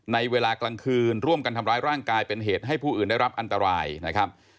ในเวลากลางคืนร่วมกันทำร้ายร่างกายเป็นเหตุให้ผู้อื่นได้รับอันตรายนะครับ